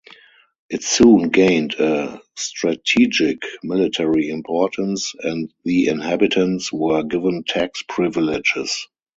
It soon gained a strategic military importance and the inhabitants were given tax privileges.